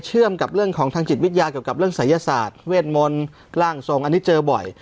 เหมือนกันเลย